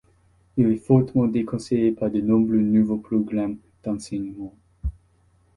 Il est fortement déconseillé par de nombreux nouveaux programmes d'enseignement.